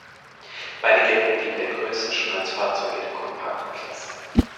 Beide gelten wegen der Größe schon als Fahrzeuge der Kompaktklasse.